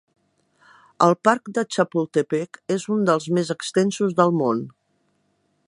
El parc de Chapultepec és un dels més extensos del món.